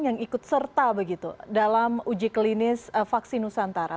yang ikut serta begitu dalam uji klinis vaksin nusantara